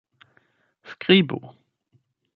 skribu